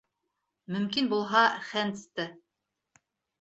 Мөмкин булһа, Хэндсты.